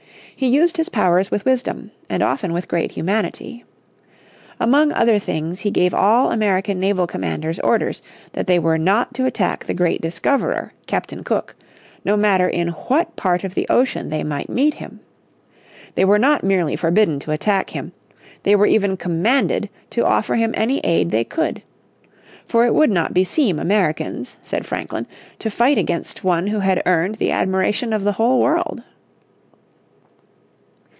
He used his powers with wisdom, and often with great humanity. Among other things he gave all American naval commanders orders that they were not to attack the great discoverer, Captain Cook, no matter in what part of the ocean they might meet him. They were not merely forbidden to attack him, they were even commanded to offer him any aid they could. For it would not beseem Americans, said Franklin, to fight against one who had earned the admiration of the whole world.